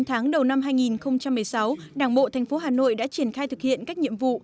chín tháng đầu năm hai nghìn một mươi sáu đảng bộ thành phố hà nội đã triển khai thực hiện các nhiệm vụ